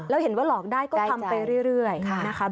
แล้วเห็นว่าหลอกได้ก็ทำไปเรื่อยนะคะ